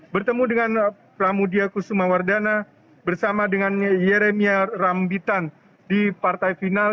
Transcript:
bertemu dengan pramudia kusumawardana bersama dengan yeremia rambitan di partai final